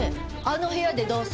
あの部屋で同棲。